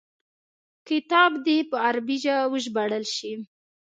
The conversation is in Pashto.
کتاب دي په عربي وژباړل شي.